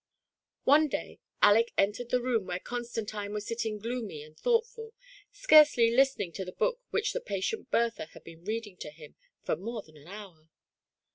One day Aleck entered the room where Constantine was sitting gloomy and thoughtftil, scarcely listening to the book which the patient Bertha had been reading to him for more than an hour.